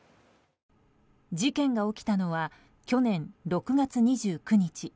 事件が起きたのは去年６月２９日。